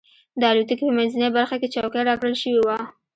د الوتکې په منځۍ برخه کې چوکۍ راکړل شوې وه.